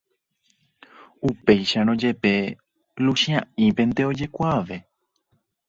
Upéicharõ jepe, Luchia'ípente ojekuaave.